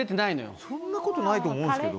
そんなことないと思うんですけど。